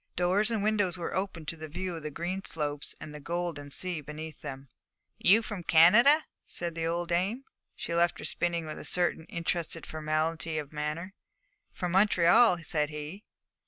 Doors and windows were open to the view of the green slopes and the golden sea beneath them. 'You come from Canada,' said the old dame. She left her spinning with a certain interested formality of manner. 'From Montreal,' said he.